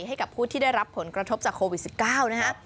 ให้กับผู้ที่ได้รับผลกระทบจากโควิด๑๙นะฮะ